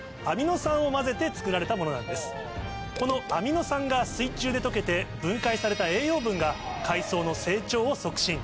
このアミノ酸が水中で溶けて分解された栄養分が海藻の成長を促進。